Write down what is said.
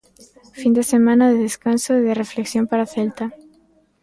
Fin de semana de descanso e de reflexión para o Celta.